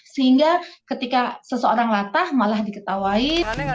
sehingga ketika seseorang latah malah diketawain